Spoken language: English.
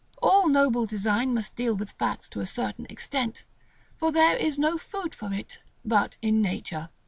All noble design must deal with facts to a certain extent, for there is no food for it but in nature.